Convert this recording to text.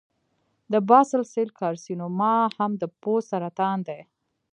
د باسل سیل کارسینوما هم د پوست سرطان دی.